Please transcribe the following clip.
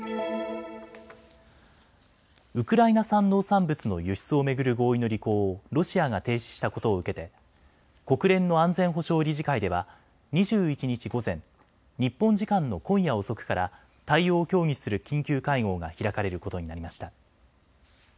ウクライナ産農産物の輸出を巡る合意の履行をロシアが停止したことを受けて国連の安全保障理事会では２１日午前、日本時間の今夜遅くから対応を協議する緊急会合が開かれることになりました。